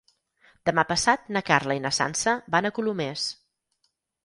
Demà passat na Carla i na Sança van a Colomers.